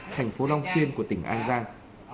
thành phố long xuyên của tỉnh an giang